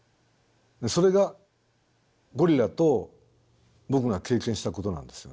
それがゴリラと僕が経験したことなんですよね。